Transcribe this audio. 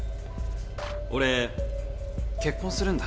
俺結婚するんだ。